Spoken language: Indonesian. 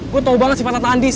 gue tau banget sifat tante andis